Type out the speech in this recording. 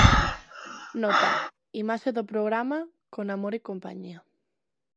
Nota: imaxe do programa 'Con amor e compañía'.